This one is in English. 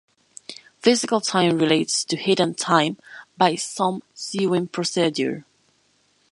Physical time relates to 'hidden time' by some 'sewing procedure'.